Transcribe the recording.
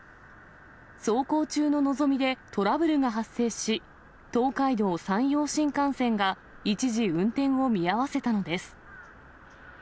走行中ののぞみでトラブルが発生し、東海道・山陽新幹線が一時運転を見合わせたのです。